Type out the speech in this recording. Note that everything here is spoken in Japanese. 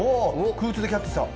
空中でキャッチした。